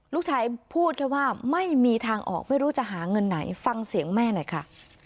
ลูกชายพูดแค่ว่าไม่มีทางออกไม่รู้จะหาเงินไหนฟังเสียงแม่หน่อยค่ะ